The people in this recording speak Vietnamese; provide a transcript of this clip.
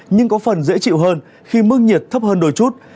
nhưng có phần dễ chịu hơn khi mức nhiệt thấp hơn đôi chút